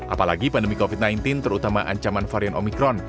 apalagi pandemi covid sembilan belas terutama ancaman varian omikron